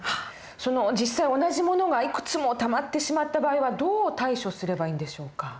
実際同じ物がいくつもたまってしまった場合はどう対処すればいいんでしょうか？